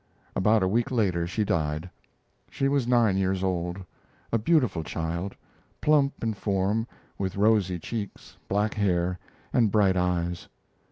About a week later she died. She was nine years old, a beautiful child, plump in form, with rosy cheeks, black hair, and bright eyes.